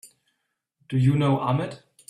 Do you know Ahmed?